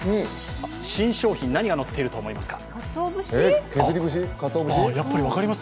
新商品、何がのっていると思いますか？